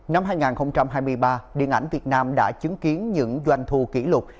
năm hai nghìn hai mươi ba điện ảnh việt nam đã chứng kiến những doanh thu kỷ lục